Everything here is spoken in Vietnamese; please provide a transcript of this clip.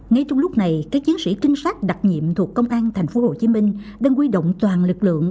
ngay trong lúc này các chiến sĩ trinh sát đặc nhiệm thuộc công an tp hcm đang quy động toàn lực lượng